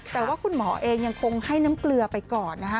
แต่ว่าคุณหมอเองยังคงให้น้ำเกลือไปก่อนนะคะ